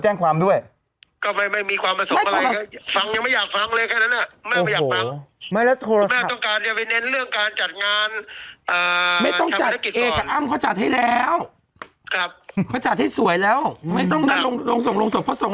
เอคะอั้มเขาจัดให้แล้วเขาจัดให้สวยแล้วไม่ต้องได้ลงลงส่งลงส่งเขาส่ง